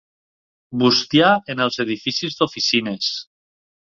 Bustiar en els edificis d'oficines.